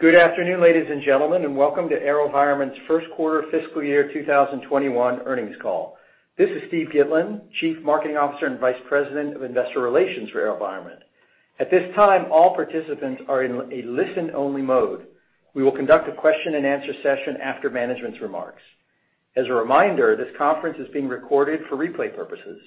Good afternoon, ladies and gentlemen, and welcome to AeroVironment's first quarter fiscal year 2021 earnings call. This is Steve Gitlin, Chief Marketing Officer and Vice President of Investor Relations for AeroVironment. At this time, all participants are in a listen-only mode. We will conduct a question-and-answer session after management's remarks. As a reminder, this conference is being recorded for replay purposes.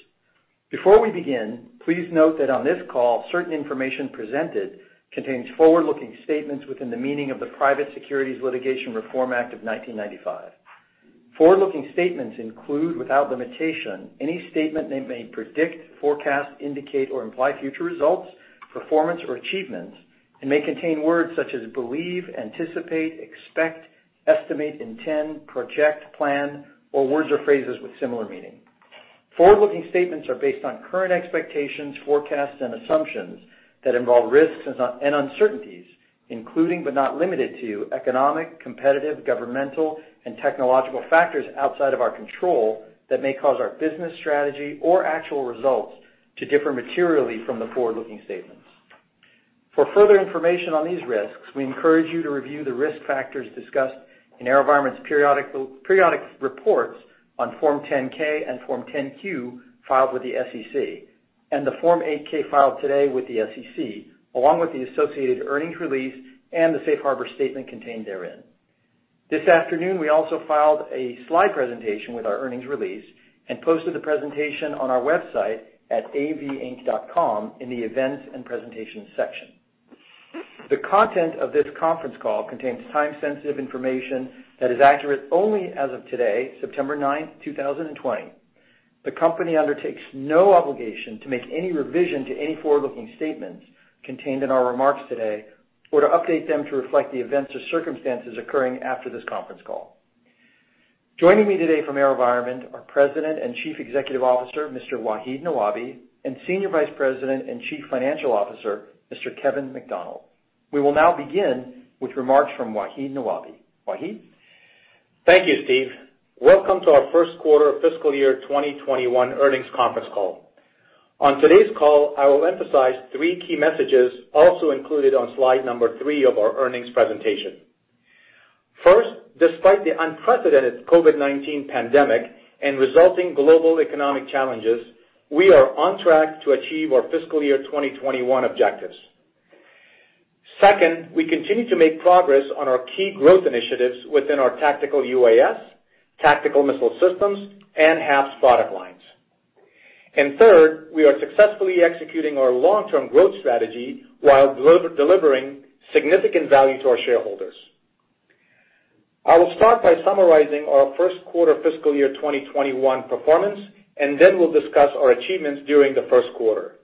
Before we begin, please note that on this call, certain information presented contains forward-looking statements within the meaning of the Private Securities Litigation Reform Act of 1995. Forward-looking statements include, without limitation, any statement that may predict, forecast, indicate, or imply future results, performance, or achievements, and may contain words such as believe, anticipate, expect, estimate, intend, project, plan, or words or phrases with similar meaning. Forward-looking statements are based on current expectations, forecasts, and assumptions that involve risks and uncertainties, including, but not limited to, economic, competitive, governmental, and technological factors outside of our control that may cause our business strategy or actual results to differ materially from the forward-looking statements. For further information on these risks, we encourage you to review the risk factors discussed in AeroVironment's periodic reports on Form 10-K and Form 10-Q filed with the SEC, and the Form 8-K filed today with the SEC, along with the associated earnings release and the safe harbor statement contained therein. This afternoon, we also filed a slide presentation with our earnings release and posted the presentation on our website at avinc.com in the Events and Presentation section. The content of this conference call contains time-sensitive information that is accurate only as of today, September 9th, 2020. The company undertakes no obligation to make any revision to any forward-looking statements contained in our remarks today or to update them to reflect the events or circumstances occurring after this conference call. Joining me today from AeroVironment are President and Chief Executive Officer, Mr. Wahid Nawabi, and Senior Vice President and Chief Financial Officer, Mr. Kevin McDonnell. We will now begin with remarks from Wahid Nawabi. Wahid. Thank you, Steve. Welcome to our first quarter fiscal year 2021 earnings conference call. On today's call, I will emphasize three key messages also included on slide number three of our earnings presentation. First, despite the unprecedented COVID-19 pandemic and resulting global economic challenges, we are on track to achieve our fiscal year 2021 objectives. Second, we continue to make progress on our key growth initiatives within our tactical UAS, tactical missile systems, and HAPS product lines. Third, we are successfully executing our long-term growth strategy while delivering significant value to our shareholders. I will start by summarizing our first quarter fiscal year 2021 performance, and then we'll discuss our achievements during the first quarter.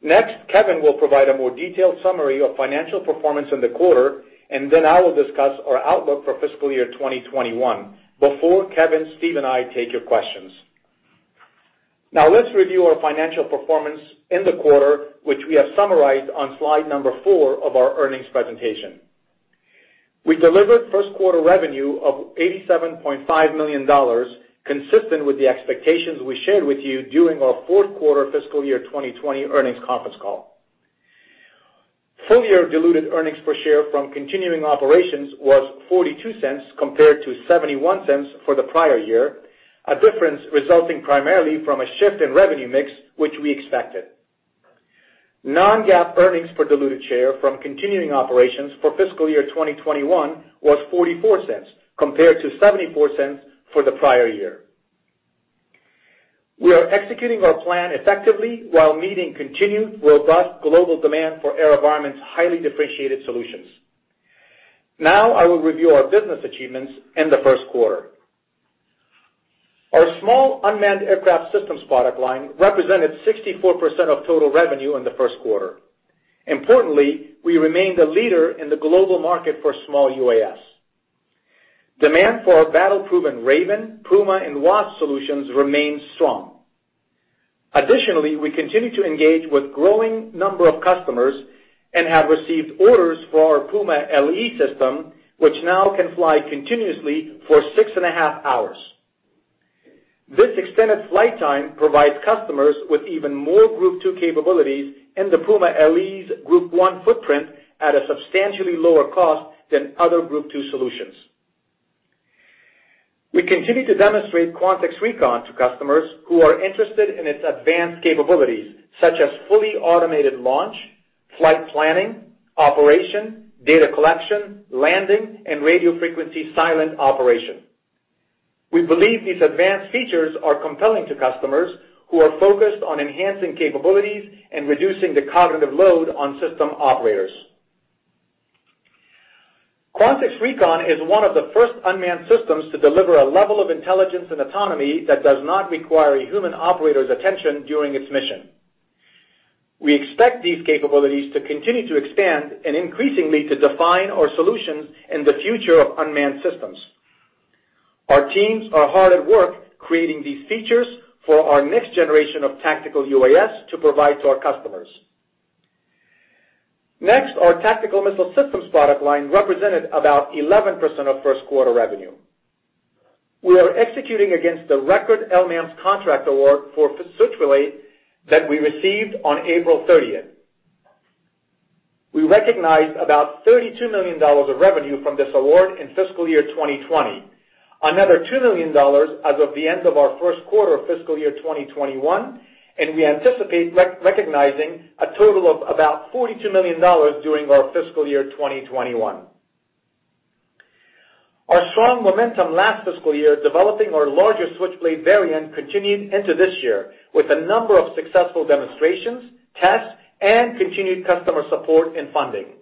Next, Kevin will provide a more detailed summary of financial performance in the quarter, and then I will discuss our outlook for fiscal year 2021 before Kevin, Steve, and I take your questions. Let's review our financial performance in the quarter, which we have summarized on slide four of our earnings presentation. We delivered first-quarter revenue of $87.5 million, consistent with the expectations we shared with you during our fourth-quarter fiscal year 2020 earnings conference call. Full-year diluted earnings per share from continuing operations was $0.42 compared to $0.71 for the prior year, a difference resulting primarily from a shift in revenue mix which we expected. Non-GAAP earnings per diluted share from continuing operations for fiscal year 2021 was $0.44, compared to $0.74 for the prior year. We are executing our plan effectively while meeting continued robust global demand for AeroVironment's highly differentiated solutions. I will review our business achievements in the first quarter. Our small unmanned aircraft systems product line represented 64% of total revenue in the first quarter. Importantly, we remained a leader in the global market for small UAS. Demand for our battle-proven Raven, Puma, and Wasp solutions remained strong. Additionally, we continue to engage with growing number of customers and have received orders for our Puma LE system, which now can fly continuously for six and a half hours. This extended flight time provides customers with even more Group 2 capabilities in the Puma LE's Group 1 footprint at a substantially lower cost than other Group 2 solutions. We continue to demonstrate Quantix Recon to customers who are interested in its advanced capabilities, such as fully automated launch, flight planning, operation, data collection, landing, and radio frequency silent operation. We believe these advanced features are compelling to customers who are focused on enhancing capabilities and reducing the cognitive load on system operators. Quantix Recon is one of the first unmanned systems to deliver a level of intelligence and autonomy that does not require a human operator's attention during its mission. We expect these capabilities to continue to expand and increasingly to define our solutions in the future of unmanned systems. Our teams are hard at work creating these features for our next generation of tactical UAS to provide to our customers. Next, our tactical missile systems product line represented about 11% of first-quarter revenue. We are executing against the record LMAMS contract award for Switchblade that we received on April 30th. We recognized about $32 million of revenue from this award in fiscal year 2020, another $2 million as of the end of our first quarter of fiscal year 2021, and we anticipate recognizing a total of about $42 million during our fiscal year 2021. Our strong momentum last fiscal year developing our larger Switchblade variant continued into this year with a number of successful demonstrations, tests, and continued customer support and funding.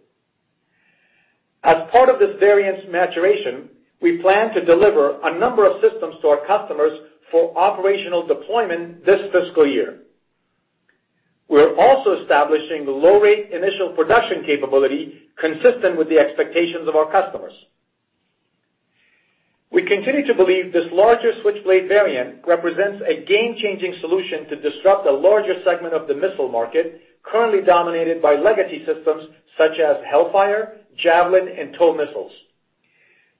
As part of this variant maturation, we plan to deliver a number of systems to our customers for operational deployment this fiscal year. We are also establishing the low-rate initial production capability consistent with the expectations of our customers. We continue to believe this larger Switchblade variant represents a game-changing solution to disrupt a larger segment of the missile market currently dominated by legacy systems such as Hellfire, Javelin, and TOW missiles.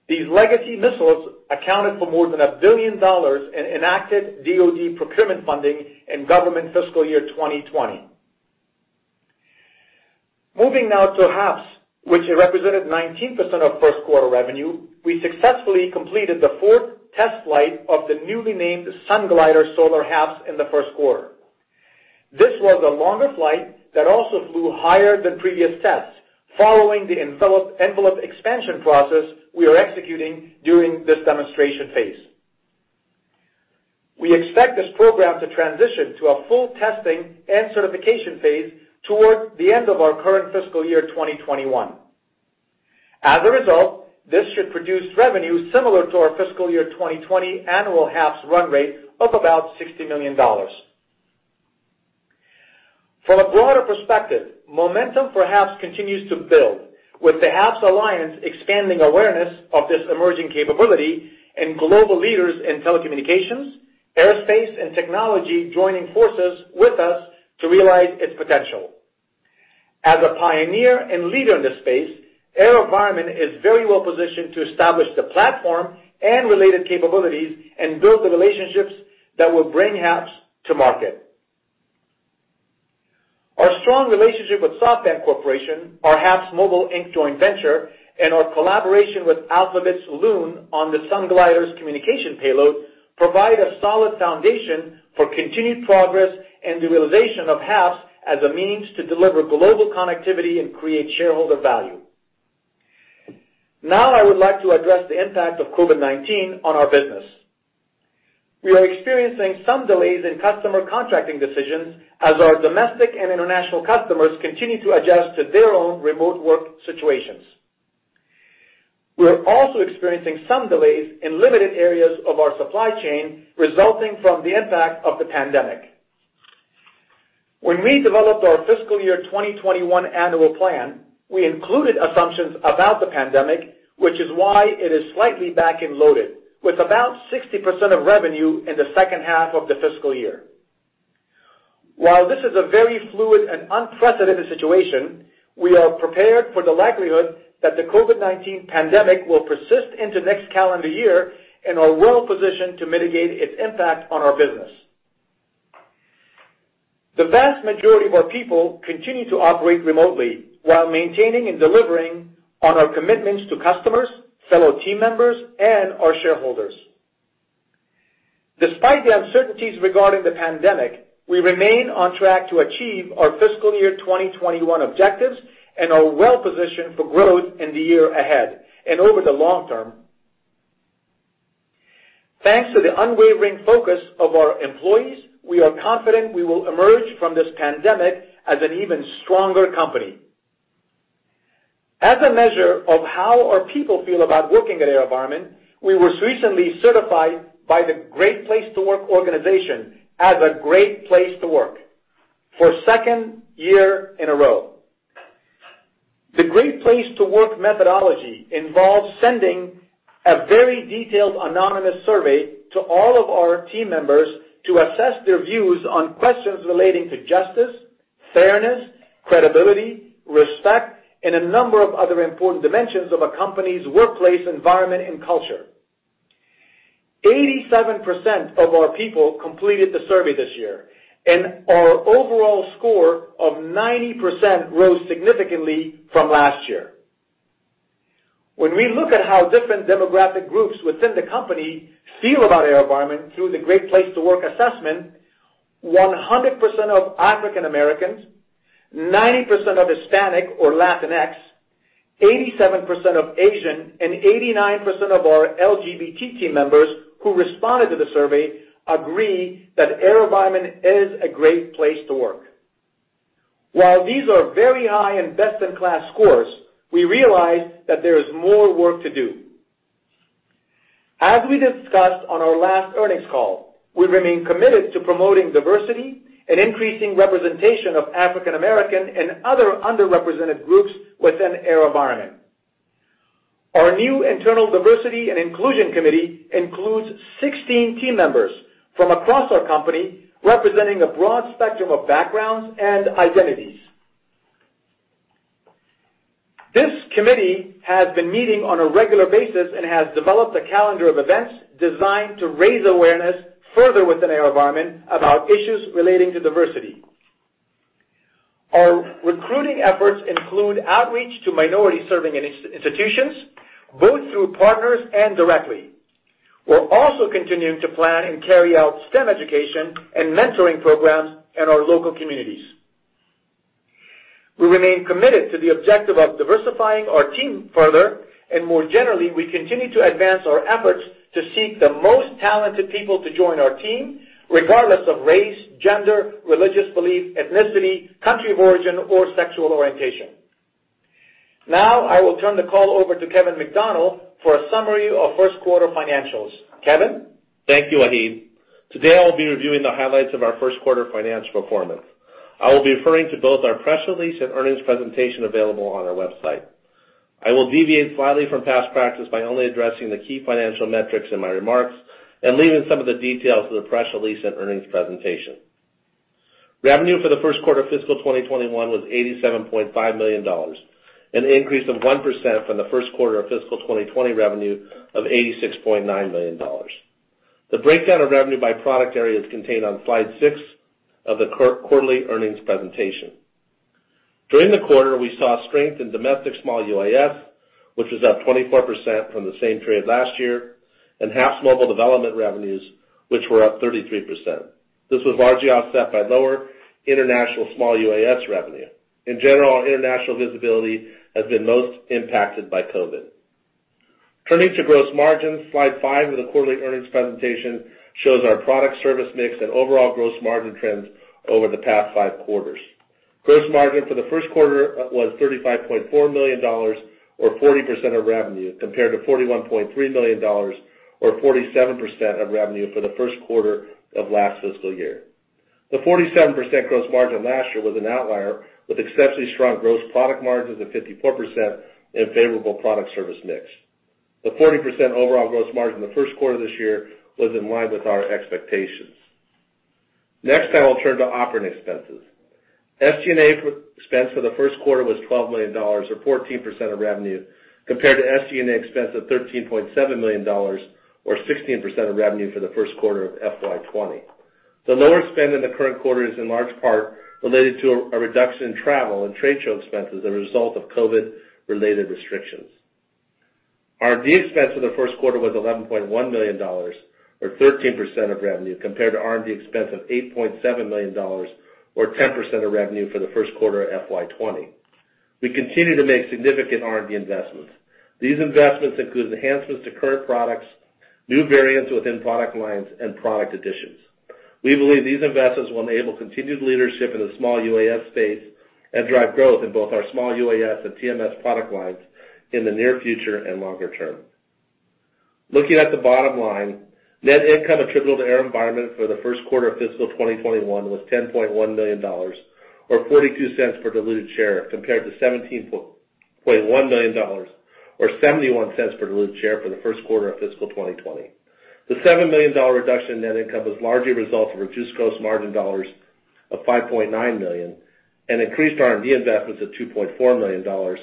These legacy missiles accounted for more than $1 billion in enacted DoD procurement funding in government fiscal year 2020. Moving now to HAPS, which represented 19% of first-quarter revenue, we successfully completed the fourth test flight of the newly named Sunglider Solar HAPS in the first quarter. This was the longest flight that also flew higher than previous tests, following the envelope expansion process we are executing during this demonstration phase. We expect this program to transition to a full testing and certification phase toward the end of our current fiscal year 2021. As a result, this should produce revenue similar to our fiscal year 2020 annual HAPS run rate of about $60 million. From a broader perspective, momentum for HAPS continues to build with the HAPS Alliance expanding awareness of this emerging capability and global leaders in telecommunications, aerospace, and technology joining forces with us to realize its potential. As a pioneer and leader in this space, AeroVironment is very well positioned to establish the platform and related capabilities and build the relationships that will bring HAPS to market. Our strong relationship with SoftBank Corporation, our HAPSMobile Inc joint venture, and our collaboration with Alphabet's Loon on the Sunglider's communication payload provide a solid foundation for continued progress and the realization of HAPS as a means to deliver global connectivity and create shareholder value. I would like to address the impact of COVID-19 on our business. We are experiencing some delays in customer contracting decisions as our domestic and international customers continue to adjust to their own remote work situations. We're also experiencing some delays in limited areas of our supply chain resulting from the impact of the pandemic. When we developed our FY 2021 annual plan, we included assumptions about the pandemic, which is why it is slightly back-end loaded with about 60% of revenue in the second half of the fiscal year. While this is a very fluid and unprecedented situation, we are prepared for the likelihood that the COVID-19 pandemic will persist into next calendar year and are well-positioned to mitigate its impact on our business. The vast majority of our people continue to operate remotely while maintaining and delivering on our commitments to customers, fellow team members, and our shareholders. Despite the uncertainties regarding the pandemic, we remain on track to achieve our fiscal year 2021 objectives and are well-positioned for growth in the year ahead and over the long term. Thanks to the unwavering focus of our employees, we are confident we will emerge from this pandemic as an even stronger company. As a measure of how our people feel about working at AeroVironment, we were recently certified by the Great Place to Work organization as a great place to work for a second year in a row. The Great Place to Work methodology involves sending a very detailed anonymous survey to all of our team members to assess their views on questions relating to justice, fairness, credibility, respect, and a number of other important dimensions of a company's workplace environment and culture. 87% of our people completed the survey this year, and our overall score of 90% rose significantly from last year. When we look at how different demographic groups within the company feel about AeroVironment through the Great Place to Work assessment, 100% of African Americans, 90% of Hispanic or Latinx, 87% of Asian, and 89% of our LGBT team members who responded to the survey agree that AeroVironment is a great place to work. While these are very high and best-in-class scores, we realize that there is more work to do. As we discussed on our last earnings call, we remain committed to promoting diversity and increasing representation of African American and other underrepresented groups within AeroVironment. Our new internal diversity and inclusion committee includes 16 team members from across our company, representing a broad spectrum of backgrounds and identities. This committee has been meeting on a regular basis and has developed a calendar of events designed to raise awareness further within AeroVironment about issues relating to diversity. Our recruiting efforts include outreach to minority-serving institutions, both through partners and directly. We're also continuing to plan and carry out STEM education and mentoring programs in our local communities. We remain committed to the objective of diversifying our team further, and more generally, we continue to advance our efforts to seek the most talented people to join our team, regardless of race, gender, religious belief, ethnicity, country of origin, or sexual orientation. Now, I will turn the call over to Kevin McDonnell for a summary of first-quarter financials. Kevin? Thank you, Wahid. Today, I'll be reviewing the highlights of our first quarter financial performance. I will be referring to both our press release and earnings presentation available on our website. I will deviate slightly from past practice by only addressing the key financial metrics in my remarks and leaving some of the details to the press release and earnings presentation. Revenue for the first quarter of fiscal 2021 was $87.5 million, an increase of 1% from the first quarter of fiscal 2020 revenue of $86.9 million. The breakdown of revenue by product area is contained on slide six of the quarterly earnings presentation. During the quarter, we saw strength in domestic small UAS, which was up 24% from the same period last year, and HAPSMobile development revenues, which were up 33%. This was largely offset by lower international small UAS revenue. In general, our international visibility has been most impacted by COVID. Turning to gross margins, slide five of the quarterly earnings presentation shows our product service mix and overall gross margin trends over the past five quarters. Gross margin for the first quarter was $35.4 million, or 40% of revenue, compared to $41.3 million, or 47% of revenue for the first quarter of last fiscal year. The 47% gross margin last year was an outlier, with exceptionally strong gross product margins of 54% and favorable product service mix. The 40% overall gross margin in the first quarter of this year was in line with our expectations. Next, I will turn to operating expenses. SG&A expense for the first quarter was $12 million, or 14% of revenue, compared to SG&A expense of $13.7 million or 16% of revenue for the first quarter of FY 2020. The lower spend in the current quarter is in large part related to a reduction in travel and trade show expenses as a result of COVID-related restrictions. R&D expense for the first quarter was $11.1 million, or 13% of revenue, compared to R&D expense of $8.7 million, or 10% of revenue for the first quarter of FY 2020. We continue to make significant R&D investments. These investments include enhancements to current products, new variants within product lines, and product additions. We believe these investments will enable continued leadership in the small UAS space and drive growth in both our small UAS and TMS product lines in the near future and longer term. Looking at the bottom line, net income attributable to AeroVironment for the first quarter of fiscal 2021 was $10.1 million, or $0.42 per diluted share, compared to $17.1 million or $0.71 per diluted share for the first quarter of fiscal 2020. The $7 million reduction in net income was largely a result of reduced gross margin dollars of $5.9 million and increased R&D investments of $2.4 million,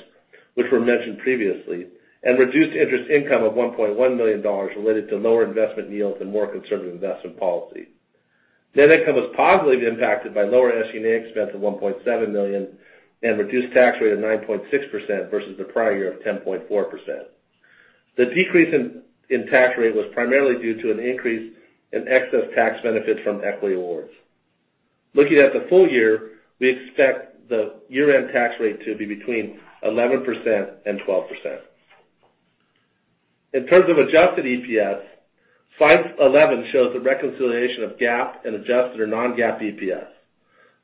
which were mentioned previously, and reduced interest income of $1.1 million related to lower investment yields and more conservative investment policy. Net income was positively impacted by lower SG&A expense of $1.7 million and reduced tax rate of 9.6% versus the prior year of 10.4%. The decrease in tax rate was primarily due to an increase in excess tax benefits from equity awards. Looking at the full year, we expect the year-end tax rate to be between 11% and 12%. In terms of adjusted EPS, slide 11 shows the reconciliation of GAAP and adjusted or non-GAAP EPS.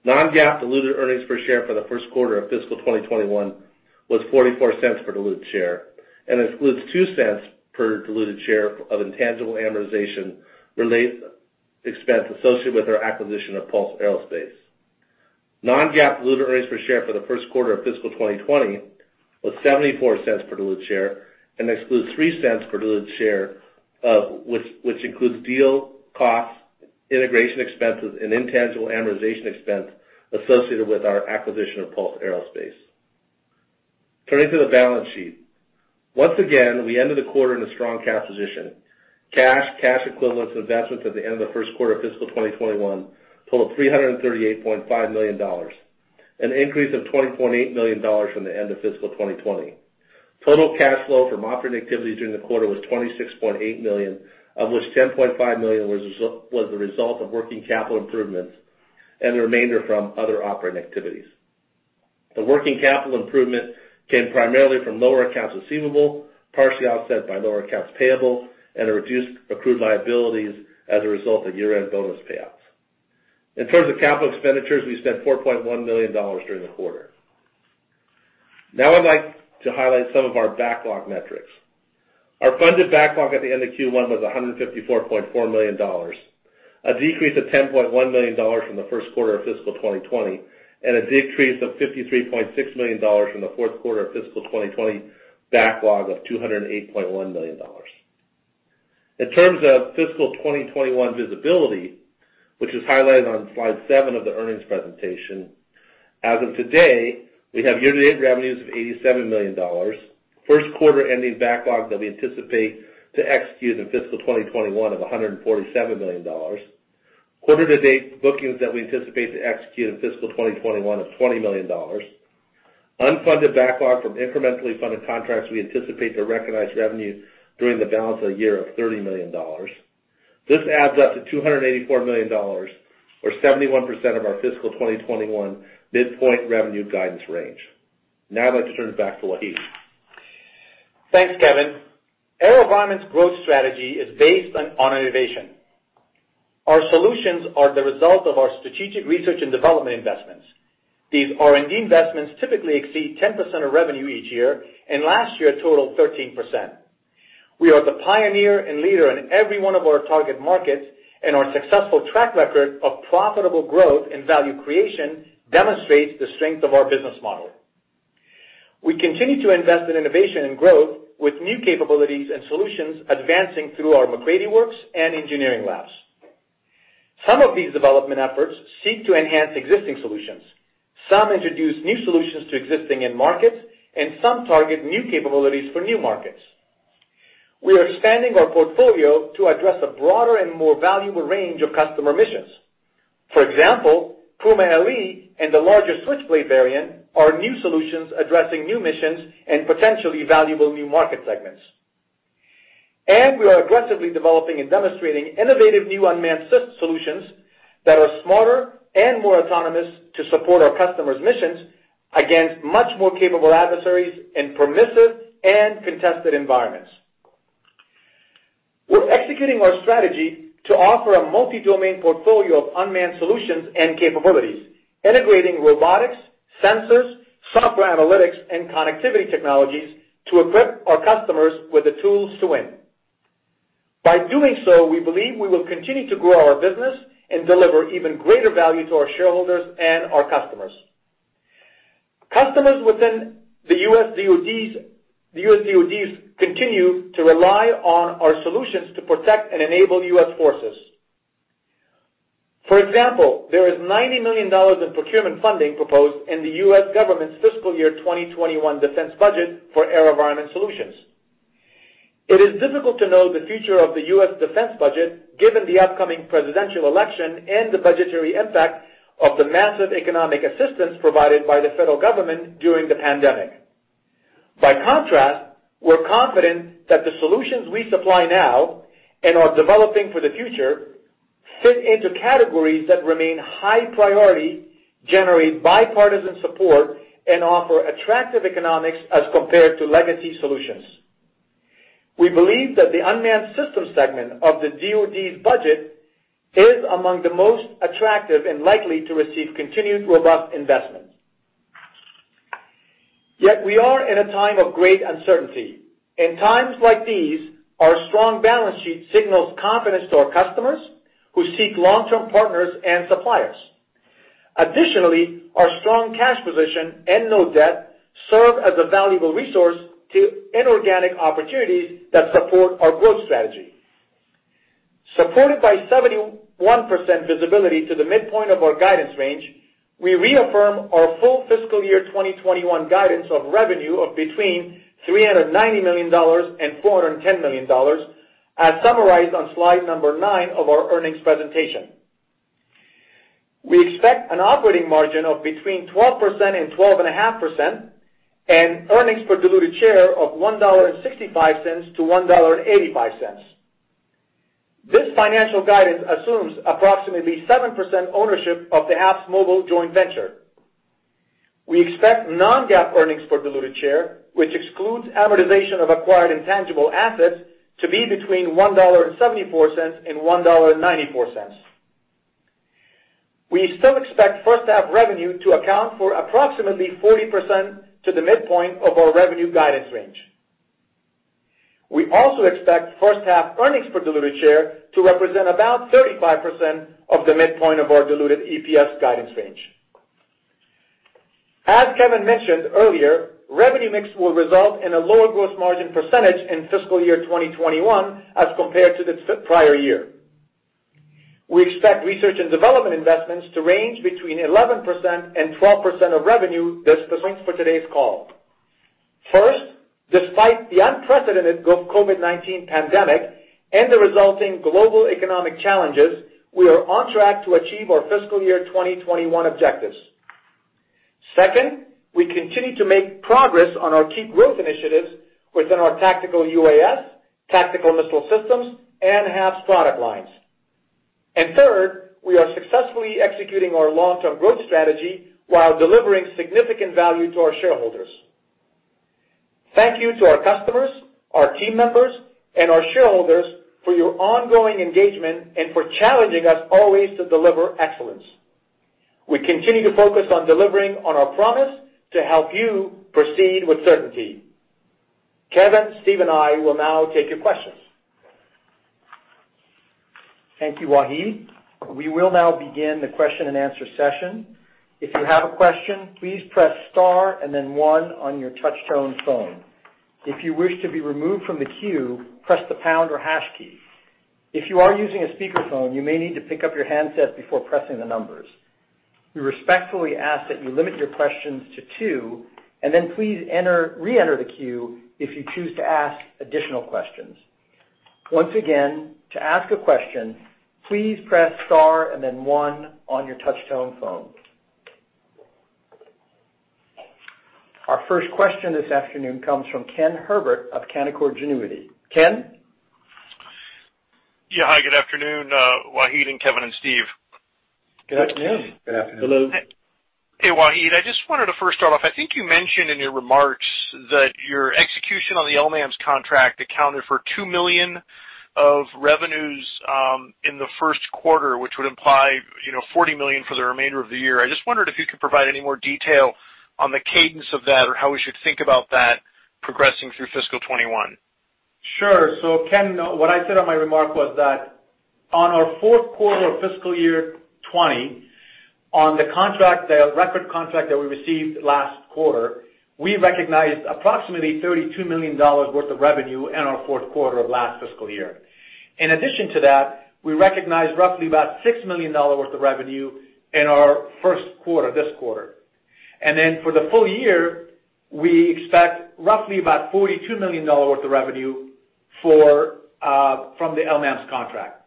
Non-GAAP diluted earnings per share for the first quarter of fiscal 2021 was $0.44 per diluted share and excludes $0.02 per diluted share of intangible amortization-related expense associated with our acquisition of Pulse Aerospace. Non-GAAP diluted earnings per share for the first quarter of fiscal 2020 was $0.74 per diluted share and excludes $0.03 per diluted share which includes deal costs, integration expenses, and intangible amortization expense associated with our acquisition of Pulse Aerospace. Turning to the balance sheet. Once again, we ended the quarter in a strong cash position. Cash, cash equivalents, and investments at the end of the first quarter of fiscal 2021 total $338.5 million, an increase of $20.8 million from the end of fiscal 2020. Total cash flow from operating activities during the quarter was $26.8 million, of which $10.5 million was the result of working capital improvements and the remainder from other operating activities. The working capital improvement came primarily from lower accounts receivable, partially offset by lower accounts payable and a reduced accrued liabilities as a result of year-end bonus payouts. In terms of capital expenditures, we spent $4.1 million during the quarter. Now, I'd like to highlight some of our backlog metrics. Our funded backlog at the end of Q1 was $154.4 million, a decrease of $10.1 million from the first quarter of fiscal 2020 and a decrease of $53.6 million from the fourth quarter of fiscal 2020 backlog of $208.1 million. In terms of fiscal 2021 visibility, which is highlighted on slide seven of the earnings presentation. As of today, we have year-to-date revenues of $87 million. First quarter ending backlog that we anticipate to execute in fiscal 2021 of $147 million. Quarter-to-date bookings that we anticipate to execute in fiscal 2021 of $20 million. Unfunded backlog from incrementally funded contracts we anticipate to recognize revenue during the balance of the year of $30 million. This adds up to $284 million or 71% of our fiscal 2021 midpoint revenue guidance range. Now I'd like to turn it back to Wahid. Thanks, Kevin. AeroVironment's growth strategy is based on innovation. Our solutions are the result of our strategic research and development investments. These R&D investments typically exceed 10% of revenue each year, and last year totaled 13%. We are the pioneer and leader in every one of our target markets, and our successful track record of profitable growth and value creation demonstrates the strength of our business model. We continue to invest in innovation and growth with new capabilities and solutions advancing through our MacCready Works and engineering labs. Some of these development efforts seek to enhance existing solutions. Some introduce new solutions to existing end markets, and some target new capabilities for new markets. We are expanding our portfolio to address a broader and more valuable range of customer missions. For example, Puma LE and the larger Switchblade variant are new solutions addressing new missions and potentially valuable new market segments. We are aggressively developing and demonstrating innovative new unmanned solutions that are smarter and more autonomous to support our customers' missions against much more capable adversaries in permissive and contested environments. We're executing our strategy to offer a multi-domain portfolio of unmanned solutions and capabilities, integrating robotics, sensors, software analytics, and connectivity technologies to equip our customers with the tools to win. By doing so, we believe we will continue to grow our business and deliver even greater value to our shareholders and our customers. Customers within the U.S. DoD continue to rely on our solutions to protect and enable U.S. forces. For example, there is $90 million in procurement funding proposed in the U.S. government's fiscal year 2021 defense budget for AeroVironment solutions. It is difficult to know the future of the U.S. defense budget given the upcoming presidential election and the budgetary impact of the massive economic assistance provided by the federal government during the pandemic. By contrast, we're confident that the solutions we supply now and are developing for the future fit into categories that remain high priority, generate bipartisan support, and offer attractive economics as compared to legacy solutions. We believe that the unmanned system segment of the DoD's budget is among the most attractive and likely to receive continued robust investment. Yet we are in a time of great uncertainty. In times like these, our strong balance sheet signals confidence to our customers who seek long-term partners and suppliers. Additionally, our strong cash position and no debt serve as a valuable resource to inorganic opportunities that support our growth strategy. Supported by 71% visibility to the midpoint of our guidance range, we reaffirm our full fiscal year 2021 guidance of revenue of between $390 million and $410 million, as summarized on slide number nine of our earnings presentation. We expect an operating margin of between 12% and 12.5%, and earnings per diluted share of $1.65-$1.85. This financial guidance assumes approximately 7% ownership of the HAPSMobile joint venture. We expect non-GAAP earnings per diluted share, which excludes amortization of acquired intangible assets, to be between $1.74 and $1.94. We still expect first half revenue to account for approximately 40% to the midpoint of our revenue guidance range. We also expect first half earnings per diluted share to represent about 35% of the midpoint of our diluted EPS guidance range. As Kevin mentioned earlier, revenue mix will result in a lower gross margin percentage in fiscal year 2021 as compared to the prior year. We expect research and development investments to range between 11% and 12% of revenue this fiscal year. In summary, to reiterate our main points for today's call, first, despite the unprecedented COVID-19 pandemic and the resulting global economic challenges, we are on track to achieve our fiscal year 2021 objectives. Second, we continue to make progress on our key growth initiatives within our tactical UAS, tactical missile systems, and HAPS product lines. Third, we are successfully executing our long-term growth strategy while delivering significant value to our shareholders. Thank you to our customers, our team members, and our shareholders for your ongoing engagement and for challenging us always to deliver excellence. We continue to focus on delivering on our promise to help you proceed with certainty. Kevin, Steve, and I will now take your questions. Thank you, Wahid. We will now begin the question and answer session. If you have a question, please press star and then one on your touch-tone phone. If you wish to be removed from the queue, press the pound or hash key. If you are using a speakerphone, you may need to pick up your handset before pressing the numbers. We respectfully ask that you limit your questions to two, and then please re-enter the queue if you choose to ask additional questions. Once again, to ask a question, please press star and then one on your touch-tone phone. Our first question this afternoon comes from Ken Herbert of Canaccord Genuity. Ken? Yeah. Hi, good afternoon, Wahid, and Kevin, and Steve. Good afternoon. Good afternoon. Hello. Hey, Wahid. I just wanted to first start off, I think you mentioned in your remarks that your execution on the LMAMS contract accounted for $2 million of revenues in the first quarter, which would imply $40 million for the remainder of the year. I just wondered if you could provide any more detail on the cadence of that or how we should think about that progressing through fiscal 2021. Sure. Ken, what I said on my remark was that on our fourth quarter of fiscal year 2020, on the record contract that we received last quarter, we recognized $32 million worth of revenue in our fourth quarter of last fiscal year. In addition to that, we recognized roughly about $6 million worth of revenue in our first quarter, this quarter. For the full year, we expect roughly about $42 million worth of revenue from the LMAMS contract.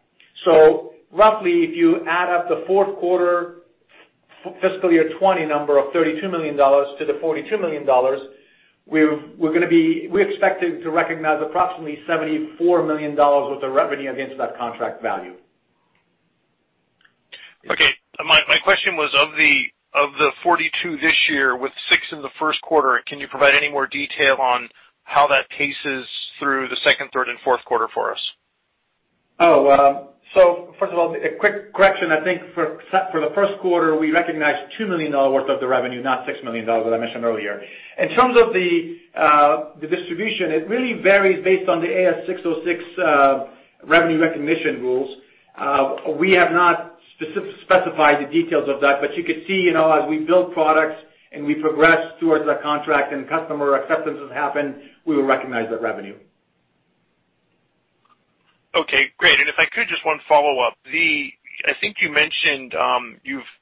Roughly, if you add up the fourth quarter fiscal year 2020 number of $32 million to the $42 million, we're expected to recognize $74 million worth of revenue against that contract value. Okay. My question was, of the $42 million this year, with six in the first quarter, can you provide any more detail on how that paces through the second, third, and fourth quarter for us? Oh. First of all, a quick correction. I think for the first quarter, we recognized $2 million worth of the revenue, not $6 million that I mentioned earlier. In terms of the distribution, it really varies based on the ASC 606 revenue recognition rules. We have not specified the details of that, but you could see, as we build products and we progress towards that contract and customer acceptance has happened, we will recognize that revenue. Okay, great. If I could, just one follow-up. I think you mentioned,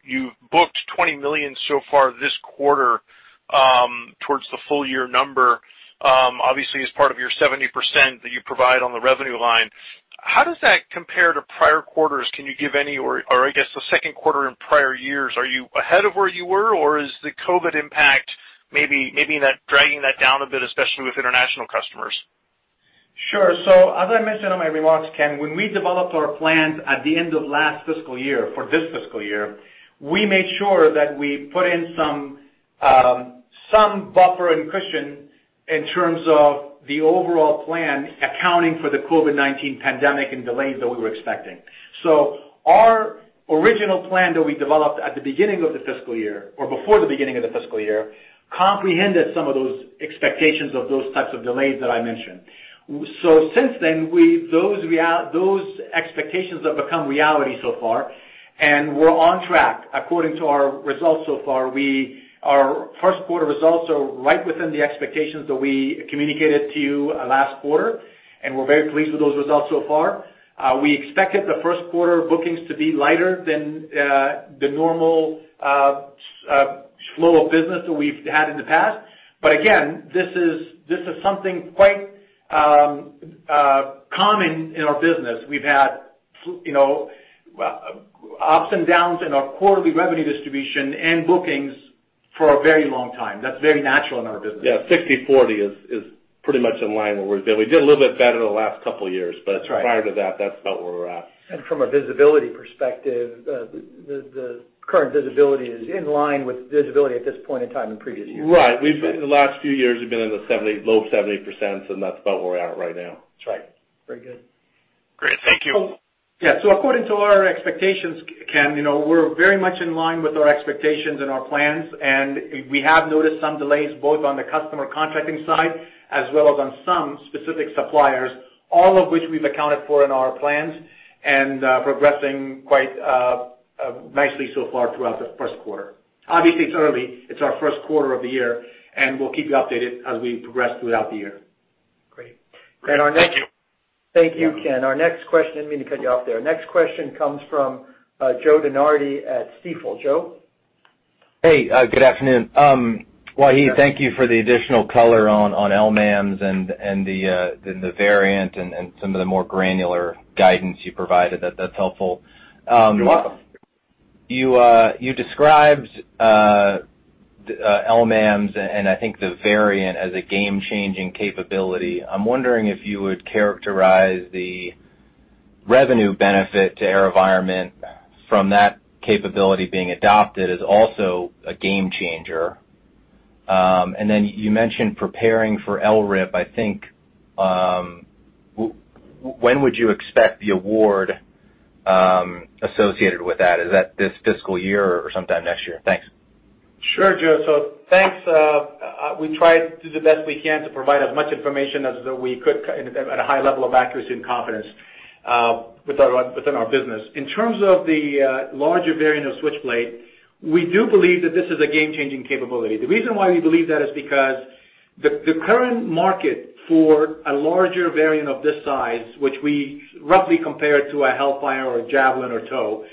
you've booked $20 million so far this quarter towards the full year number, obviously as part of your 70% that you provide on the revenue line. How does that compare to prior quarters? Can you give any or I guess the second quarter in prior years, are you ahead of where you were, or is the COVID impact maybe dragging that down a bit, especially with international customers? Sure. As I mentioned in my remarks, Ken, when we developed our plans at the end of last fiscal year for this fiscal year, we made sure that we put in some buffer and cushion in terms of the overall plan accounting for the COVID-19 pandemic and delays that we were expecting. Our original plan that we developed at the beginning of the fiscal year, or before the beginning of the fiscal year, comprehended some of those expectations of those types of delays that I mentioned. Since then, those expectations have become reality so far, and we're on track according to our results so far. Our first quarter results are right within the expectations that we communicated to you last quarter, and we're very pleased with those results so far. We expected the first quarter bookings to be lighter than the normal flow of business that we've had in the past. Again, this is something quite common in our business. We've had ups and downs in our quarterly revenue distribution and bookings for a very long time. That's very natural in our business. Yeah, 60/40 is pretty much in line with where we've been. We did a little bit better the last couple of years. That's right. Prior to that, that's about where we're at. From a visibility perspective, the current visibility is in line with visibility at this point in time in previous years. Right. The last few years have been in the low 70%, and that's about where we're at right now. That's right. Very good. Great. Thank you. According to our expectations, Ken, we're very much in line with our expectations and our plans, and we have noticed some delays both on the customer contracting side as well as on some specific suppliers, all of which we've accounted for in our plans, and progressing quite nicely so far throughout the first quarter. Obviously, it's early. It's our first quarter of the year, and we'll keep you updated as we progress throughout the year. Great. Thank you, Ken. Our next question- I didn't mean to cut you off there. Next question comes from Joe DeNardi at Stifel. Joe? Hey, good afternoon. Wahid, thank you for the additional color on LMAMS and the variant and some of the more granular guidance you provided. That's helpful. You're welcome. You described LMAMS and I think the variant as a game-changing capability. I'm wondering if you would characterize the revenue benefit to AeroVironment from that capability being adopted as also a game changer. Then you mentioned preparing for LRIP, I think, when would you expect the award associated with that? Is that this fiscal year or sometime next year? Thanks. Sure, Joe. Thanks. We try to do the best we can to provide as much information as we could at a high level of accuracy and confidence within our business. In terms of the larger variant of Switchblade, we do believe that this is a game-changing capability. The reason why we believe that is because the current market for a larger variant of this size, which we roughly compare to a Hellfire or Javelin or TOW,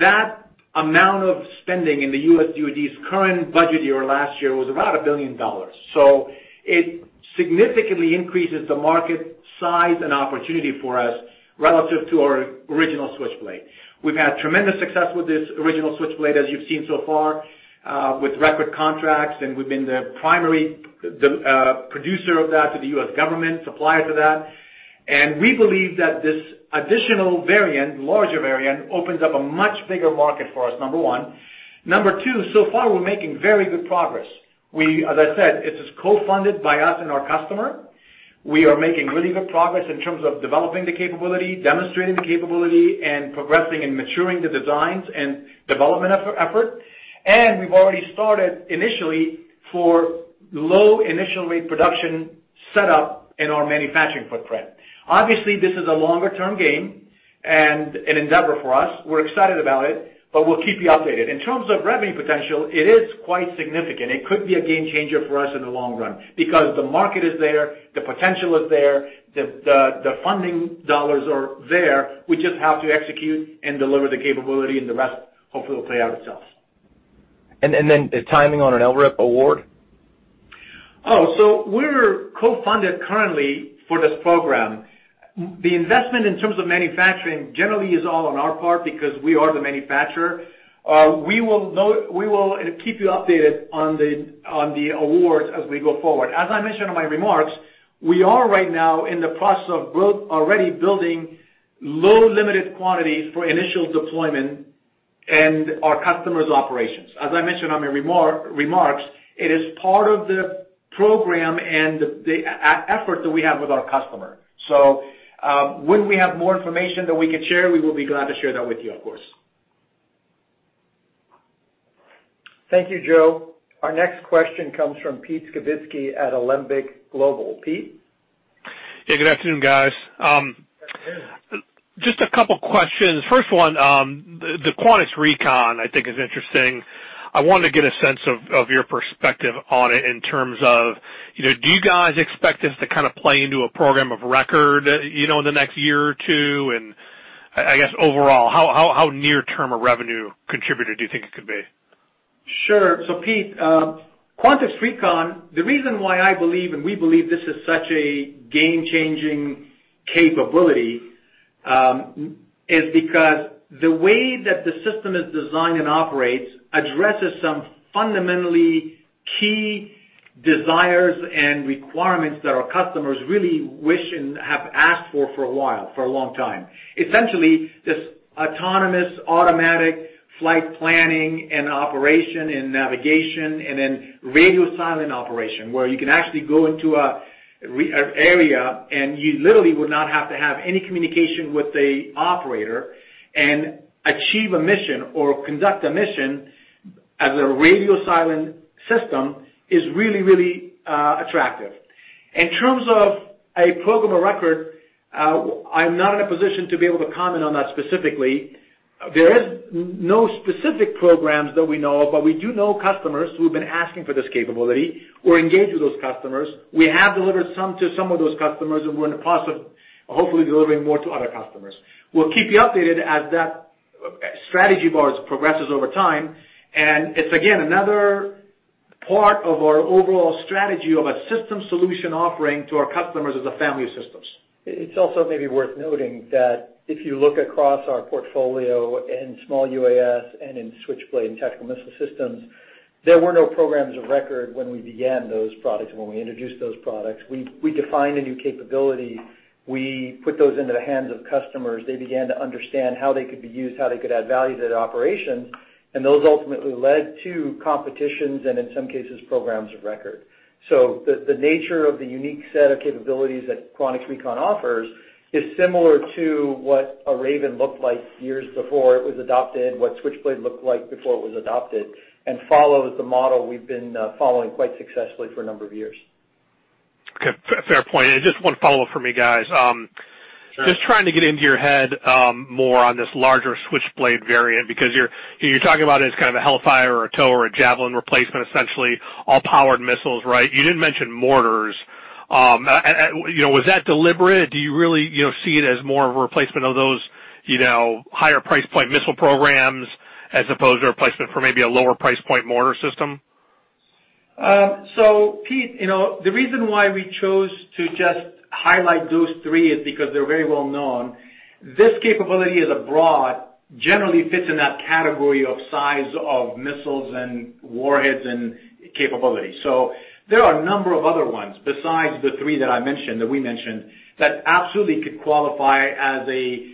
that amount of spending in the U.S. DoD's current budget year, last year, was about $1 billion. It significantly increases the market size and opportunity for us relative to our original Switchblade. We've had tremendous success with this original Switchblade, as you've seen so far with record contracts, and we've been the primary producer of that to the U.S. government, supplier to that. We believe that this additional variant, larger variant, opens up a much bigger market for us, number one. Number two, so far, we're making very good progress. As I said, this is co-funded by us and our customer. We are making really good progress in terms of developing the capability, demonstrating the capability, and progressing and maturing the designs and development effort. We've already started initially for low initial rate production set up in our manufacturing footprint. Obviously, this is a longer-term game and an endeavor for us. We're excited about it, but we'll keep you updated. In terms of revenue potential, it is quite significant. It could be a game-changer for us in the long run because the market is there, the potential is there, the funding dollars are there. We just have to execute and deliver the capability, and the rest hopefully will play out itself. The timing on an LRIP award? We're co-funded currently for this program. The investment in terms of manufacturing generally is all on our part because we are the manufacturer. We will keep you updated on the awards as we go forward. As I mentioned in my remarks, we are right now in the process of already building low limited quantities for initial deployment and our customer's operations. As I mentioned on my remarks, it is part of the program and the effort that we have with our customer. When we have more information that we could share, we will be glad to share that with you, of course. Thank you, Joe. Our next question comes from Pete Skibitski at Alembic Global. Pete? Yeah, good afternoon, guys. Good afternoon. Just a couple of questions. First one, the Quantix Recon, I think is interesting. I wanted to get a sense of your perspective on it in terms of, do you guys expect this to kind of play into a program of record in the next year or two? I guess overall, how near-term a revenue contributor do you think it could be? Sure. Pete, Quantix Recon, the reason why I believe and we believe this is such a game-changing capability, is because the way that the system is designed and operates addresses some fundamentally key desires and requirements that our customers really wish and have asked for a while, for a long time. Essentially, this autonomous automatic flight planning and operation and navigation, and then radio silent operation, where you can actually go into an area and you literally would not have to have any communication with the operator and achieve a mission or conduct a mission as a radio silent system is really attractive. In terms of a program of record, I'm not in a position to be able to comment on that specifically. There is no specific programs that we know of, but we do know customers who've been asking for this capability. We're engaged with those customers. We have delivered some to some of those customers, and we're in the process of hopefully delivering more to other customers. We'll keep you updated as that strategy progresses over time. It's again, another part of our overall strategy of a system solution offering to our customers as a family of systems. It's also maybe worth noting that if you look across our portfolio in small UAS and in Switchblade and tactical missile systems, there were no programs of record when we began those products and when we introduced those products. We defined a new capability. We put those into the hands of customers. They began to understand how they could be used, how they could add value to their operations, and those ultimately led to competitions and in some cases, programs of record. The nature of the unique set of capabilities that Quantix Recon offers is similar to what a Raven looked like years before it was adopted, what Switchblade looked like before it was adopted, and follows the model we've been following quite successfully for a number of years. Okay, fair point. Just one follow-up for me, guys. Sure. Just trying to get into your head more on this larger Switchblade variant, because you're talking about it as kind of a Hellfire or a TOW or a Javelin replacement, essentially all-powered missiles, right? You didn't mention mortars. Was that deliberate? Do you really see it as more of a replacement of those higher price point missile programs as opposed to a replacement for maybe a lower price point mortar system? Pete, the reason why we chose to just highlight those three is because they're very well known. This capability is broad, generally fits in that category of size of missiles and warheads and capabilities. There are a number of other ones besides the three that I mentioned, that we mentioned, that absolutely could qualify as a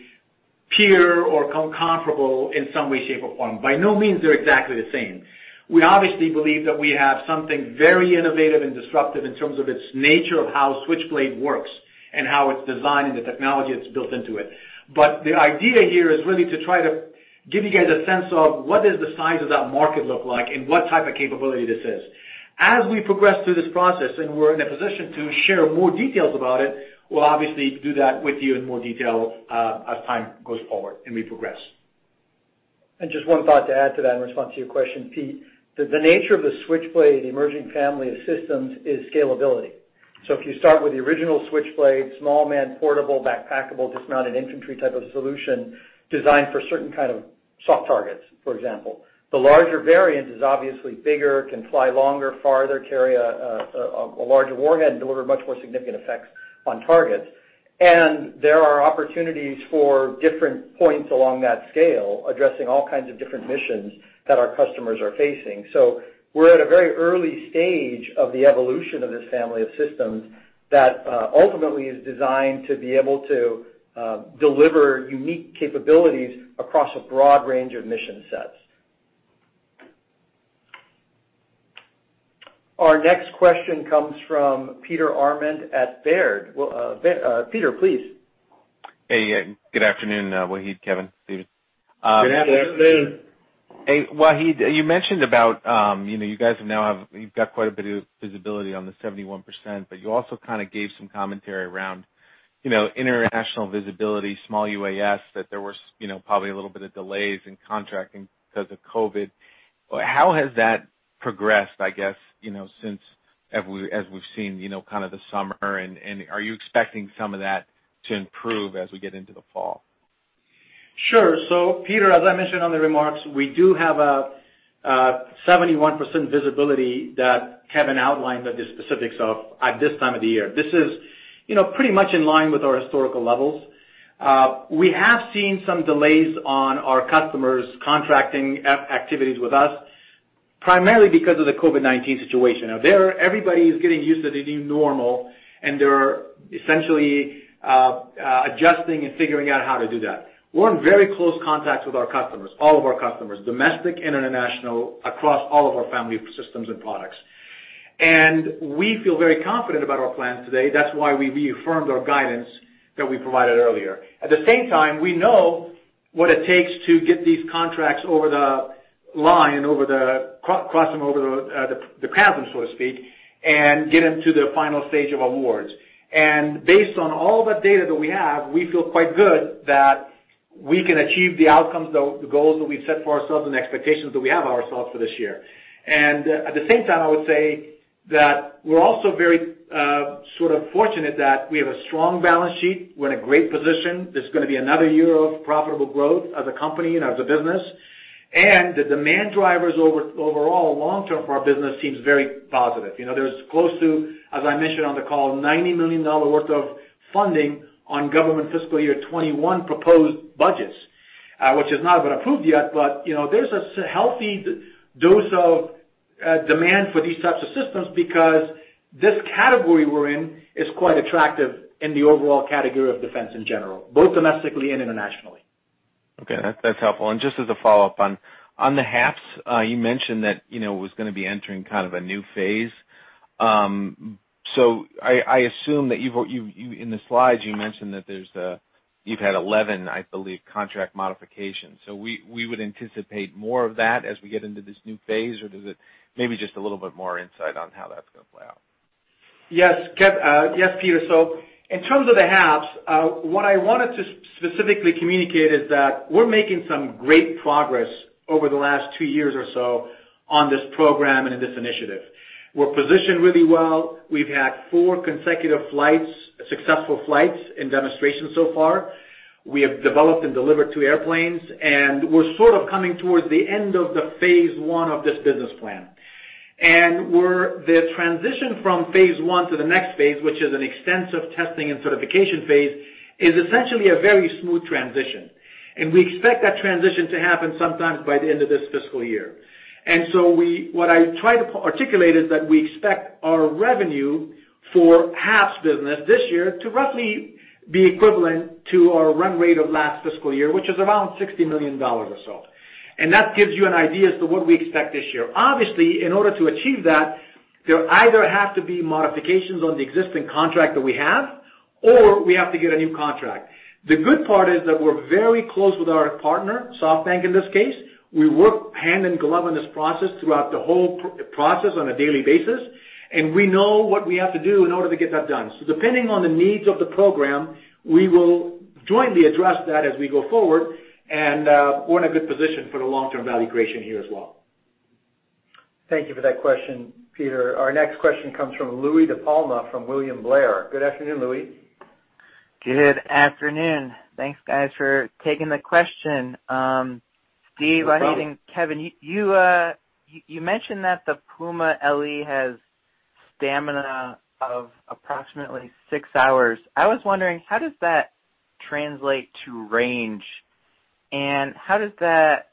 peer or comparable in some way, shape, or form. By no means they're exactly the same. We obviously believe that we have something very innovative and disruptive in terms of its nature of how Switchblade works and how it's designed and the technology that's built into it. The idea here is really to try to give you guys a sense of what does the size of that market look like and what type of capability this is. As we progress through this process and we're in a position to share more details about it, we'll obviously do that with you in more detail as time goes forward and we progress. Just one thought to add to that, in response to your question, Pete. The nature of the Switchblade, the emerging family of systems, is scalability. If you start with the original Switchblade, small man, portable, backpackable, dismounted infantry type of solution designed for certain kind of soft targets, for example. The larger variant is obviously bigger, can fly longer, farther, carry a larger warhead, and deliver much more significant effects on targets. There are opportunities for different points along that scale, addressing all kinds of different missions that our customers are facing. We're at a very early stage of the evolution of this family of systems that ultimately is designed to be able to deliver unique capabilities across a broad range of mission sets. Our next question comes from Peter Arment at Baird. Well, Peter, please. Hey, good afternoon, Wahid, Kevin, Steve. Good afternoon. Good afternoon. Hey, Wahid, you mentioned about you guys have now got quite a bit of visibility on the 71%, but you also kind of gave some commentary around international visibility, small UAS, that there was probably a little bit of delays in contracting because of COVID. How has that progressed, I guess, since as we've seen kind of the summer, and are you expecting some of that to improve as we get into the fall? Sure. Peter, as I mentioned on the remarks, we do have a 71% visibility that Kevin outlined the specifics of at this time of the year. This is pretty much in line with our historical levels. We have seen some delays on our customers contracting activities with us, primarily because of the COVID-19 situation. Now, everybody is getting used to the new normal, and they're essentially adjusting and figuring out how to do that. We're in very close contact with our customers, all of our customers, domestic and international, across all of our family of systems and products. We feel very confident about our plans today. That's why we reaffirmed our guidance that we provided earlier. At the same time, we know what it takes to get these contracts over the line, cross them over the chasm, so to speak, and get them to the final stage of awards. Based on all the data that we have, we feel quite good that we can achieve the outcomes, the goals that we've set for ourselves, and the expectations that we have of ourselves for this year. At the same time, I would say that we're also very sort of fortunate that we have a strong balance sheet. We're in a great position. This is going to be another year of profitable growth as a company and as a business. The demand drivers overall long-term for our business seems very positive. There's close to, as I mentioned on the call, $90 million worth of funding on government fiscal year 2021 proposed budgets, which has not been approved yet. There's a healthy dose of demand for these types of systems because this category we're in is quite attractive in the overall category of defense in general, both domestically and internationally. Okay. That's helpful. Just as a follow-up on the HAPS, you mentioned that it was going to be entering kind of a new phase. I assume that in the slides you mentioned that you've had 11, I believe, contract modifications. We would anticipate more of that as we get into this new phase? Maybe just a little bit more insight on how that's going to play out. Yes, Peter. In terms of the HAPS, what I wanted to specifically communicate is that we're making some great progress over the last two years or so on this program and in this initiative. We're positioned really well. We've had four consecutive flights, successful flights, and demonstrations so far. We have developed and delivered two airplanes, and we're sort of coming towards the end of the phase 1 of this business plan. The transition from phase one to the next phase, which is an extensive testing and certification phase, is essentially a very smooth transition, and we expect that transition to happen sometime by the end of this fiscal year. What I tried to articulate is that we expect our revenue for HAPS business this year to roughly be equivalent to our run rate of last fiscal year, which is around $60 million or so. That gives you an idea as to what we expect this year. Obviously, in order to achieve that, there either have to be modifications on the existing contract that we have, or we have to get a new contract. The good part is that we're very close with our partner, SoftBank in this case. We work hand in glove in this process throughout the whole process on a daily basis, and we know what we have to do in order to get that done. Depending on the needs of the program, we will jointly address that as we go forward. We're in a good position for the long-term value creation here as well. Thank you for that question, Peter. Our next question comes from Louie DiPalma from William Blair. Good afternoon, Louie. Good afternoon. Thanks, guys, for taking the question. No problem. Steve and Kevin, you mentioned that the Puma LE has stamina of approximately six hours. I was wondering, how does that translate to range, and how does that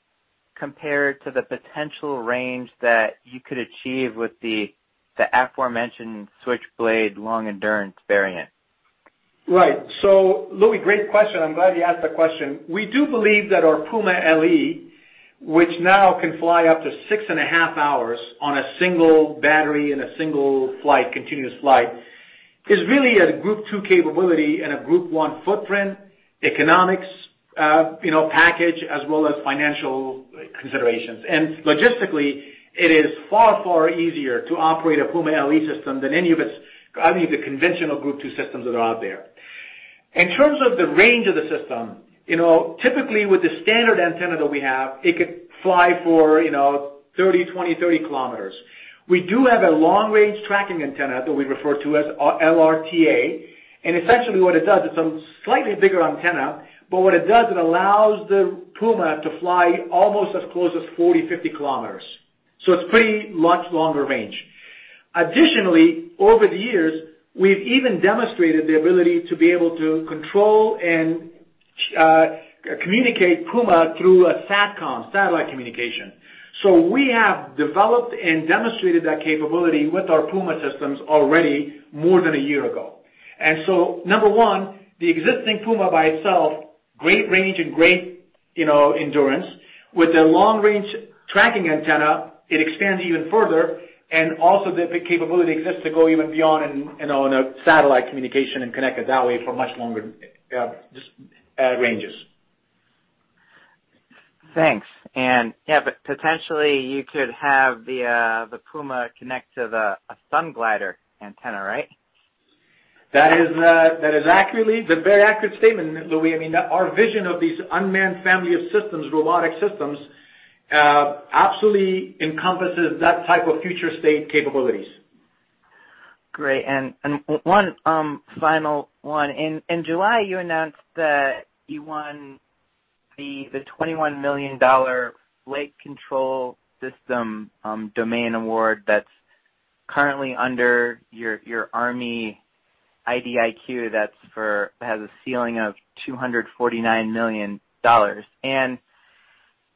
compare to the potential range that you could achieve with the aforementioned Switchblade long-endurance variant? Right. Louie, great question. I'm glad you asked that question. We do believe that our Puma LE, which now can fly up to six and a half hours on a single battery in a single continuous flight, is really a Group 2 capability and a Group 1 footprint economics package as well as financial considerations. Logistically, it is far easier to operate a Puma LE system than any of the conventional Group 2 systems that are out there. In terms of the range of the system, typically with the standard antenna that we have, it could fly for 20, 30 km. We do have a long-range tracking antenna that we refer to as LRTA. Essentially what it does, it's a slightly bigger antenna, but what it does, it allows the Puma to fly almost as close as 40, 50 km. It's pretty much longer range. Additionally, over the years, we've even demonstrated the ability to be able to control and communicate Puma through a SATCOM, satellite communication. We have developed and demonstrated that capability with our Puma systems already more than a year ago. Number one, the existing Puma by itself, great range and great endurance. With the long-range tracking antenna, it expands even further, and also the capability exists to go even beyond and on a satellite communication and connect it that way for much longer ranges. Thanks. Yeah, potentially you could have the Puma connect to a Sunglider antenna, right? That is a very accurate statement, Louie. Our vision of these unmanned family of systems, robotic systems, absolutely encompasses that type of future state capabilities. Great. One final one. In July you announced that you won the $21 million Flight Control System domain award that's currently under your U.S. Army IDIQ that has a ceiling of $249 million.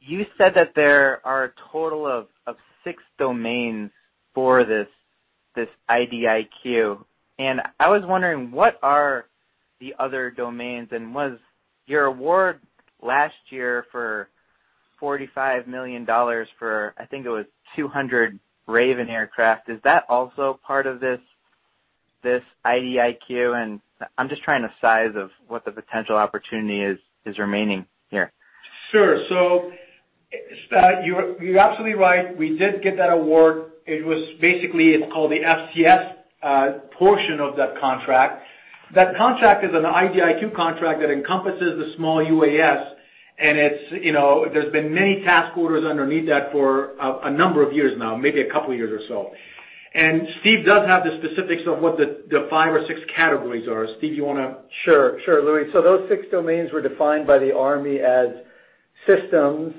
You said that there are a total of six domains for this IDIQ. I was wondering what are the other domains, and was your award last year for $45 million for, I think it was 200 Raven aircraft, is that also part of this IDIQ? I'm just trying to size up what the potential opportunity is remaining here. Sure. You're absolutely right. We did get that award. It was basically, it's called the FCS portion of that contract. That contract is an IDIQ contract that encompasses the small UAS, and there's been many task orders underneath that for a number of years now, maybe a couple of years or so. Steve does have the specifics of what the five or six categories are. Steve, you want to? Sure, Louie. Those six domains were defined by the Army as systems,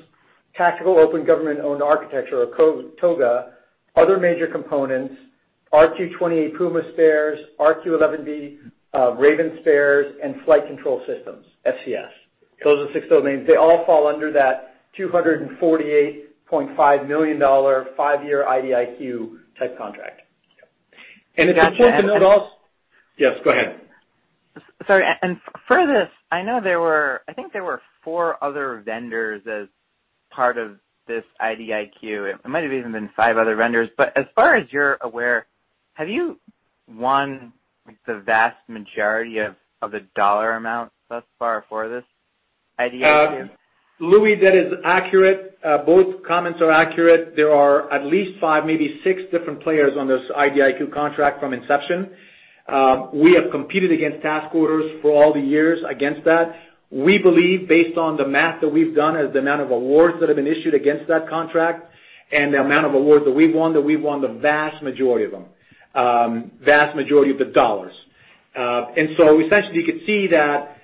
Tactical Open Government Owned Architecture or TOGA, other major components, RQ-20A Puma spares, RQ-11B Raven spares, and Flight Control Systems, FCS. Those are the six domains. They all fall under that $248.5 million five-year IDIQ-type contract. It's important to note also- yes, go ahead. Sorry. For this, I think there were four other vendors as part of this IDIQ. It might have even been five other vendors. As far as you're aware, have you won the vast majority of the dollar amounts thus far for this IDIQ? Louie, that is accurate. Both comments are accurate. There are at least five, maybe six different players on this IDIQ contract from inception. We have competed against task orders for all the years against that. We believe based on the math that we've done as the amount of awards that have been issued against that contract and the amount of awards that we've won, that we've won the vast majority of them, vast majority of the dollars. Essentially you could see that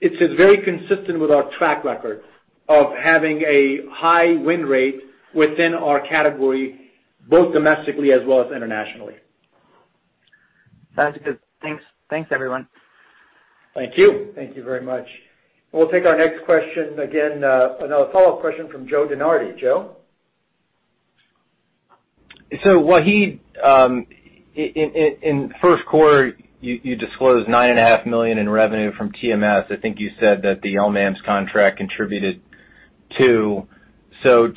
it is very consistent with our track record of having a high win rate within our category, both domestically as well as internationally. Sounds good. Thanks, everyone. Thank you. Thank you very much. We'll take our next question again, another follow-up question from Joe DeNardi. Joe? Wahid, in first quarter you disclosed $9.5 million in revenue from TMS. I think you said that the LMAMS contract contributed too. Does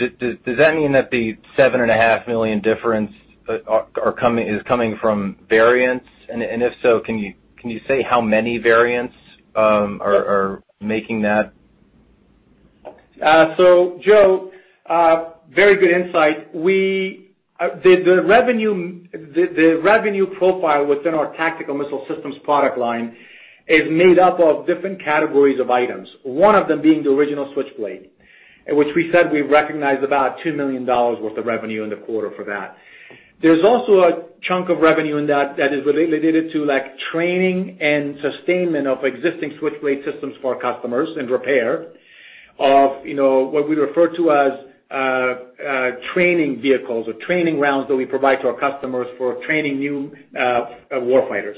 that mean that the $7.5 million difference is coming from variants? If so, can you say how many variants are making that? Joe, very good insight. The revenue profile within our Tactical Missile Systems product line is made up of different categories of items. One of them being the original Switchblade, which we said we recognized about $2 million worth of revenue in the quarter for that. There's also a chunk of revenue in that is related to training and sustainment of existing Switchblade systems for our customers, and repair of what we refer to as training vehicles or training rounds that we provide to our customers for training new war fighters.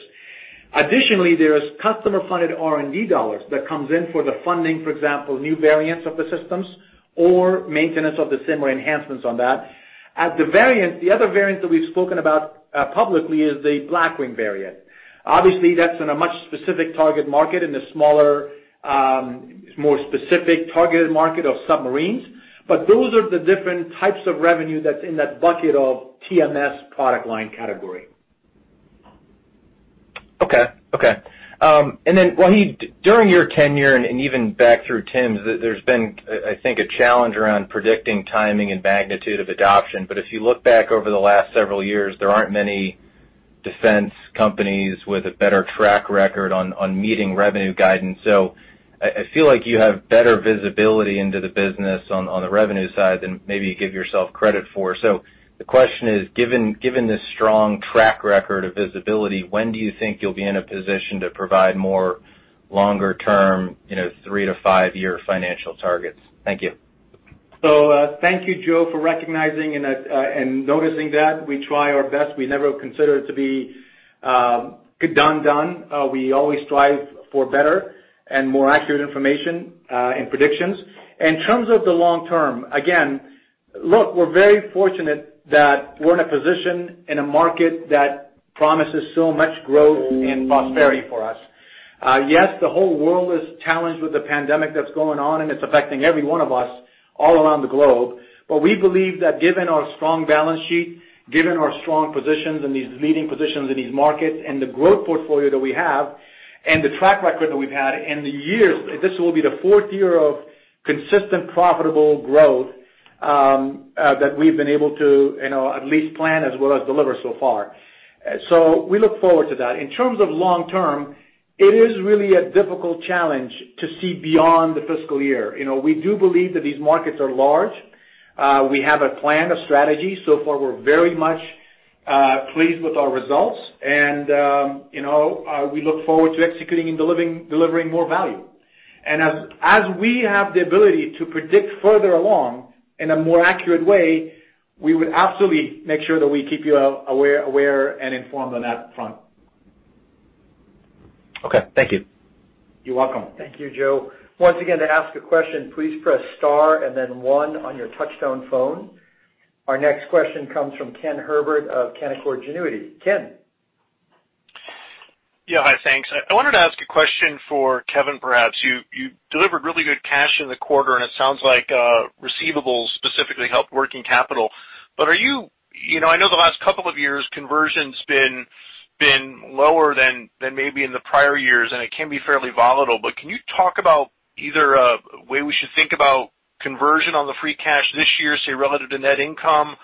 Additionally, there is customer-funded R&D dollars that comes in for the funding, for example, new variants of the systems or maintenance of the same or enhancements on that. The other variant that we've spoken about publicly is the Blackwing variant. That's in a much specific target market, in the smaller, more specific targeted market of submarines. Those are the different types of revenue that's in that bucket of TMS product line category. Okay. Wahid, during your tenure and even back through Tim's, there's been, I think, a challenge around predicting timing and magnitude of adoption. But if you look back over the last several years, there aren't many defense companies with a better track record on meeting revenue guidance. I feel like you have better visibility into the business on the revenue side than maybe you give yourself credit for. The question is: Given this strong track record of visibility, when do you think you'll be in a position to provide more longer-term, three to five-year financial targets? Thank you. Thank you, Joe, for recognizing and noticing that. We try our best. We never consider it to be done. We always strive for better and more accurate information and predictions. In terms of the long term, again, look, we are very fortunate that we are in a position in a market that promises so much growth and prosperity for us. Yes, the whole world is challenged with the pandemic that is going on, and it is affecting every one of us all around the globe. We believe that given our strong balance sheet, given our strong positions in these leading positions in these markets and the growth portfolio that we have, and the track record that we have had, and the years, this will be the fourth year of consistent, profitable growth that we have been able to at least plan as well as deliver so far. We look forward to that. In terms of long term, it is really a difficult challenge to see beyond the fiscal year. We do believe that these markets are large. We have a plan, a strategy. So far, we're very much pleased with our results, and we look forward to executing and delivering more value. As we have the ability to predict further along in a more accurate way, we would absolutely make sure that we keep you aware and informed on that front. Okay. Thank you. You're welcome. Thank you, Joe. Once again, to ask a question, please press star and then one on your touch-tone phone. Our next question comes from Ken Herbert of Canaccord Genuity. Ken? Yeah. Hi, thanks. I wanted to ask a question for Kevin, perhaps. You delivered really good cash in the quarter. It sounds like receivables specifically helped working capital. I know the last couple of years conversion's been lower than maybe in the prior years. It can be fairly volatile. Can you talk about either a way we should think about conversion on the free cash this year, say, relative to net income?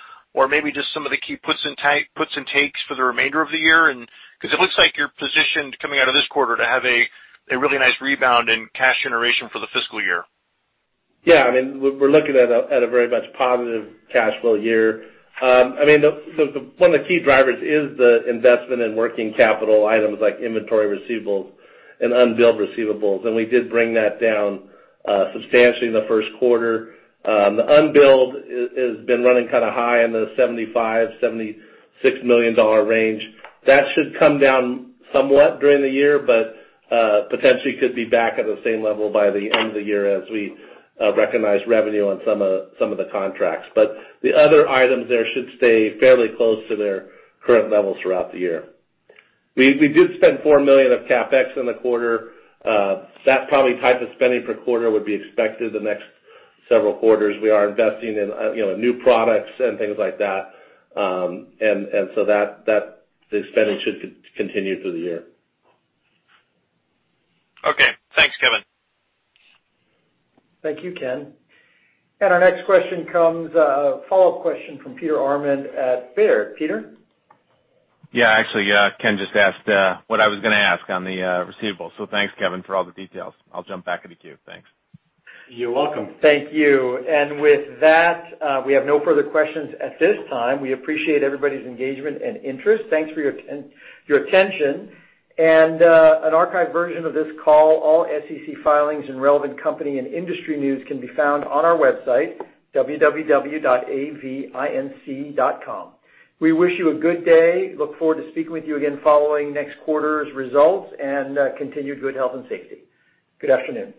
Maybe just some of the key puts and takes for the remainder of the year because it looks like you're positioned coming out of this quarter to have a really nice rebound in cash generation for the fiscal year. We're looking at a very much positive cash flow year. One of the key drivers is the investment in working capital items like inventory receivables and unbilled receivables, we did bring that down substantially in the first quarter. The unbilled has been running kind of high in the $75 million-$76 million range. That should come down somewhat during the year, potentially could be back at the same level by the end of the year as we recognize revenue on some of the contracts. The other items there should stay fairly close to their current levels throughout the year. We did spend $4 million of CapEx in the quarter. That probably type of spending per quarter would be expected the next several quarters. We are investing in new products and things like that. That spending should continue through the year. Okay. Thanks, Kevin. Thank you, Ken. Our next question comes, a follow-up question from Peter Arment at Baird. Peter? Yeah. Actually, Ken just asked what I was going to ask on the receivables. Thanks, Kevin, for all the details. I'll jump back in the queue. Thanks. You're welcome. Thank you. With that, we have no further questions at this time. We appreciate everybody's engagement and interest. Thanks for your attention. An archived version of this call, all SEC filings, and relevant company and industry news can be found on our website, www.avinc.com. We wish you a good day. Look forward to speaking with you again following next quarter's results, and continued good health and safety. Good afternoon.